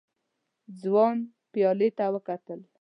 ځوان پيالې ته وکتل.